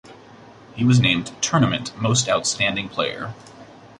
He was named tournament most outstanding player.